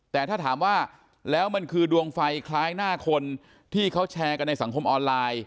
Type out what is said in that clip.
แต่ถ้าถามว่าแล้วมันคือดวงไฟคล้ายหน้าคนที่เขาแชร์กันในสังคมออนไลน์